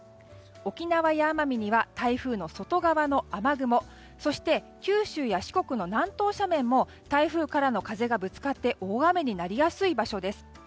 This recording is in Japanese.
沖縄や奄美には台風の外側の雨雲そして九州や四国の南東斜面も台風からの風がぶつかって大雨になりやすい場所です。